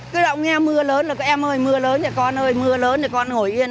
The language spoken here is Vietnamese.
cứ động nghe mưa lớn là em ơi mưa lớn nhỉ con ơi mưa lớn nhỉ con ngủ yên